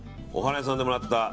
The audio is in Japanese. お花屋さんでもらった。